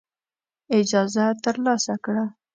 اجازه ترلاسه کړه.